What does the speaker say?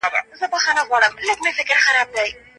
ځوانان د ټولنې د ملا تیر دي.